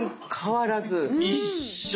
一緒。